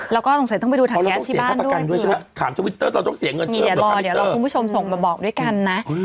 แล้วก็ต้องไปดูถังแก๊สที่บ้านด้วยเดี๋ยวเราคุณผู้ชมส่งมาบอกด้วยกันนะ